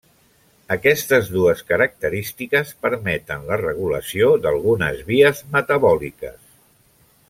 Aquestes dues característiques permeten la regulació d'algunes vies metabòliques.